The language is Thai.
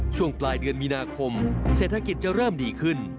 ช่วงปลายเดือนมีนาคมเศรษฐกิจจะเริ่มดีขึ้น